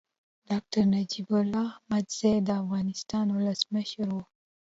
ډاکټر نجيب الله احمدزی د افغانستان ولسمشر و.